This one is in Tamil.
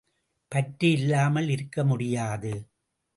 பற்று இல்லாமல் இருக்கமுடியாது.